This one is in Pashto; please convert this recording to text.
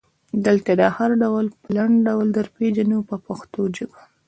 دلته دا هر ډول په لنډ ډول درپېژنو په پښتو ژبه.